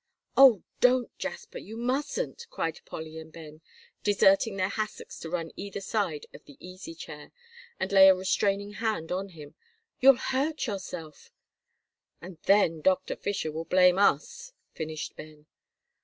"Oh, don't, Jasper, you mustn't," cried Polly and Ben, deserting their hassocks to run either side of the easy chair, and lay a restraining hand on him. "You'll hurt yourself." "And then Doctor Fisher will blame us," finished Ben.